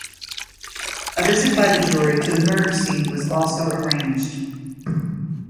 A visit by the jury to the murder scene was also arranged.